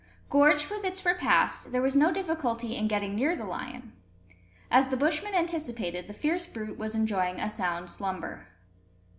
Gorged with its repast, there was no difficulty in getting near the lion. As the Bushmen anticipated, the fierce brute was enjoying a sound slumber.